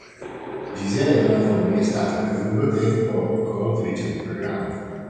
Gisella Donadoni è stata per lungo tempo coautrice del programma.